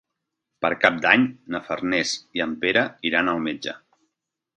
Per Cap d'Any na Farners i en Pere iran al metge.